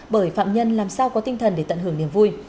bởi phạm nhân làm sao có tinh thần để tận hưởng niềm vui